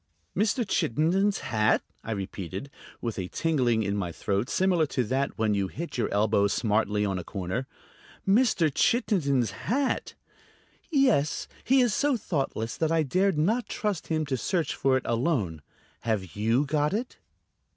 "Mr. Chittenden's hat?" I repeated, with a tingling in my throat similar to that when you hit your elbow smartly on a corner. "Mr. Chittenden's hat?" "Yes; he is so thoughtless that I dared not trust him to search for it alone. Have you got it?"